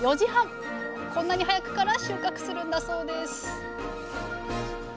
こんなに早くから収穫するんだそうです